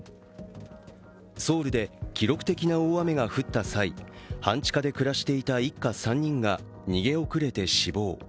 ソウルで記録的な大雨が降った際、半地下で暮らしていた一家３人が逃げ遅れて死亡。